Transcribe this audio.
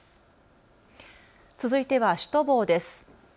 続いてはシュトボーです。